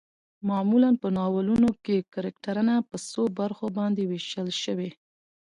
معمولا په ناولونو کې کرکترنه په څو برخو باندې ويشل شوي